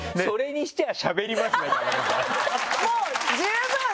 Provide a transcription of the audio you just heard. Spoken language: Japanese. もう十分！